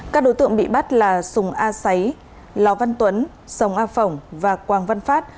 các đối tượng bị bắt là sùng a xáy ló văn tuấn sông a phỏng và quang văn phát